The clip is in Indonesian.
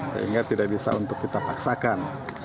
sehingga tidak bisa untuk kita paksakan